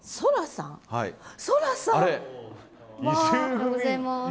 おはようございます。